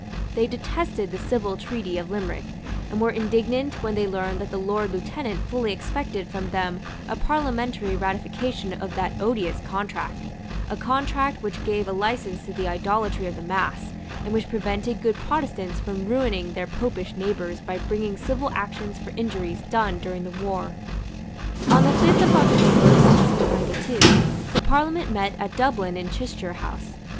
They detested the civil treaty of Limerick, and were indignant when they learned that the Lord Lieutenant fully expected from them a parliamentary ratification of that odious contract, a contract which gave a licence to the idolatry of the mass, and which prevented good Protestants from ruining their Popish neighbours by bringing civil actions for injuries done during the war. On the fifth of October 1692 the Parliament met at Dublin in Chichester House.